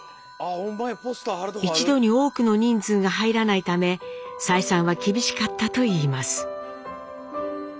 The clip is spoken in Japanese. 一度に多くの人数が入らないため採算は厳しかったといいます。